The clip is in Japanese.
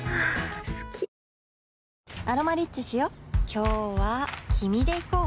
今日は君で行こう